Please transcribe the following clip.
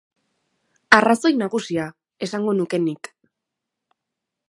Arrazoi nagusia, esango nuke nik.